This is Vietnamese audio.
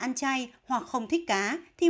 ăn chay hoặc không thích cá thì